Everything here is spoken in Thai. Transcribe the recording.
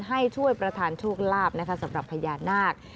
ให้ช่วยประธานโชคลาภนะคะสำหรับพญานาค